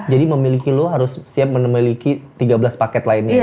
jadi memiliki lo harus siap memiliki tiga belas paket lainnya